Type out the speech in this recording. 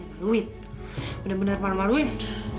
emang malu witt bener bener mau maluin